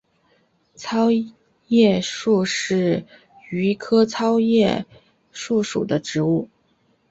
糙叶树是榆科糙叶树属的植物。